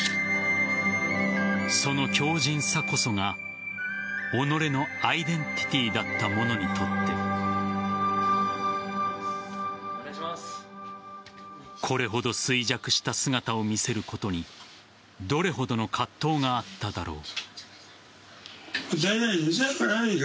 その強靱さこそが己のアイデンティティーだった者にとってこれほど衰弱した姿を見せることにどれほどの葛藤があっただろう。